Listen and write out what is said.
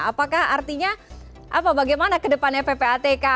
apakah artinya bagaimana ke depannya ppatk